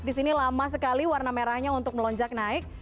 disini lama sekali warna merahnya untuk melonjak naik